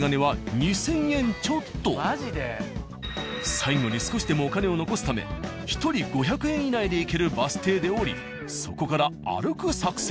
最後に少しでもお金を残すため１人５００円以内で行けるバス停で降りそこから歩く作戦。